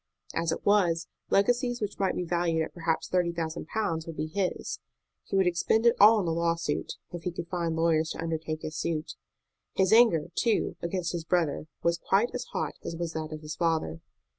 As it was, legacies which might be valued at perhaps thirty thousand pounds would be his. He would expend it all on the lawsuit, if he could find lawyers to undertake his suit. His anger, too, against his brother was quite as hot as was that of his father.